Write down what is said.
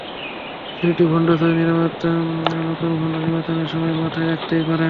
বিষয়টি বন্ড ছবির নির্মাতারা নতুন বন্ড নির্বাচনের সময় মাথায় রাখতেই পারেন।